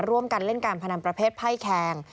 ร่วมกันเล่นการพนันประเภทไพ่แคง